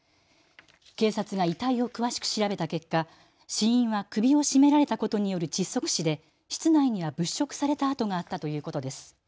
警察が遺体を詳しく調べた結果、死因は首を絞められたことによる窒息死で室内には物色された跡があったということです。